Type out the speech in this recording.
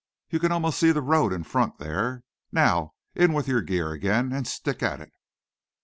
You can almost see the road in front there. Now, in with your gear again, and stick at it."